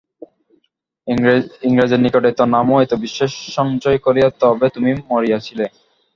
ইংরাজের নিকট এত নাম এত বিশ্বাস সঞ্চয় করিয়া তবে তুমি মরিয়াছিলে!